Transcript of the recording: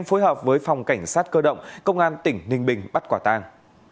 phối hợp với phòng cảnh sát cơ động công an tỉnh ninh bình bắt quả tang